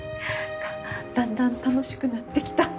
だんだん楽しくなってきた。